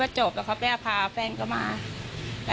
เราไม่ได้กลัวหรอกว่าโดนไม่โดนคือเราตกใจ